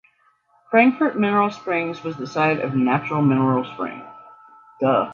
Frankfort Minerals Springs was the site of a natural mineral spring.